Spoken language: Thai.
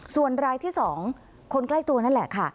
ส่วนรายที่๒คนใกล้ตัวนั่นแหละค่ะ